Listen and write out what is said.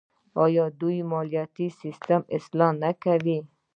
آیا دوی مالیاتي سیستم اصلاح نه کوي؟